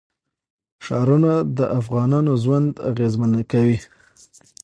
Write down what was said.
ښارونه د افغانانو ژوند اغېزمن کوي.